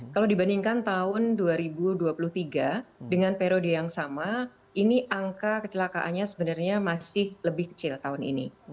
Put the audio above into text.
kalau dibandingkan tahun dua ribu dua puluh tiga dengan periode yang sama ini angka kecelakaannya sebenarnya masih lebih kecil tahun ini